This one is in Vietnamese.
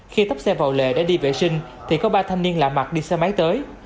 khi tắp xe vào lề đã đi vệ sinh thì có ba thanh niên lạ mặt đi xe máy tới